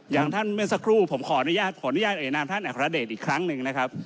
อย่างท่านเมื่อสักครู่ผมขออนุญาตขออนุญาตเอ่ยนามท่านอัครเดชอีกครั้งหนึ่งนะครับ